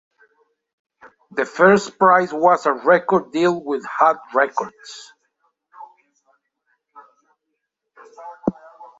The first prize was a record deal with Hot Records.